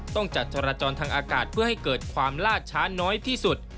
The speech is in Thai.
ต้องจัดจรจรทางอากาศเพื่อให้เกิดความล่าช้าน้อยที่สุด